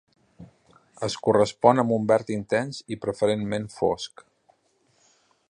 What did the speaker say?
Es correspon amb un verd intens i preferentment fosc.